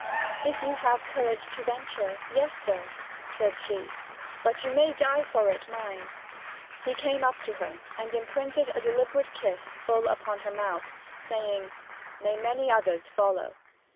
'If you have courage to venture, yes sir!' said she. 'But you may die for it, mind!' He came up to her and imprinted a deliberate kiss full upon her mouth, saying, 'May many others follow!'